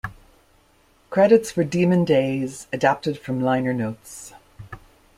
Credits for "Demon Days" adapted from liner notes.